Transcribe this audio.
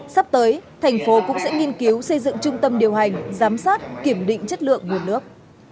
sắp tới thành phố cũng sẽ nghiên cứu xây dựng trung tâm điều hành giám sát kiểm định chất lượng nguồn nước